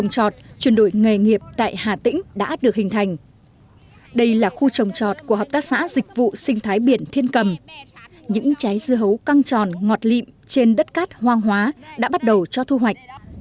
trong trọt của hợp tác xã dịch vụ sinh thái biển thiên cầm những trái dưa hấu căng tròn ngọt lịm trên đất cát hoang hóa đã bắt đầu cho thu hoạch